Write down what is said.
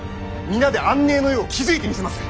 皆で安寧の世を築いてみせます！